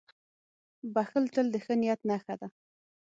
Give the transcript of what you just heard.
• بښل تل د ښه نیت نښه ده.